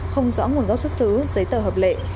không rõ nguồn gốc xuất xứ giấy tờ hợp lệ